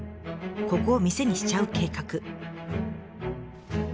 ここを店にしちゃう計画。